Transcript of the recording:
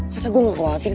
masa gue gak khawatir sih